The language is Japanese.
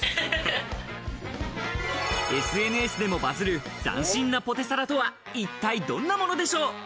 ＳＮＳでもバズる斬新なポテサラとは一体どんなものでしょう？